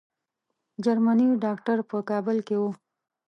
جرمني ډاکټر په کابل کې وو.